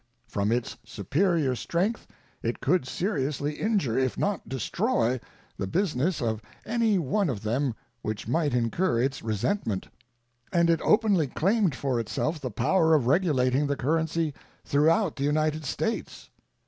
From its superior strength it could seriously injure, if not destroy, the business of any one of them which might incur its resentment; and it openly claimed for itself the power of regulating the currency throughout the United States.